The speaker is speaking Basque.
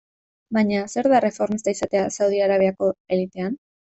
Baina zer da erreformista izatea Saudi Arabiako elitean?